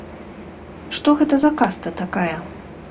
Што гэта за каста такая?